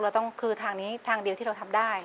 เราต้องคือทางนี้ทางเดียวที่เราทำได้